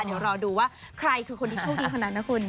เดี๋ยวรอดูว่าใครคือคนที่โชคดีคนนั้นนะคุณ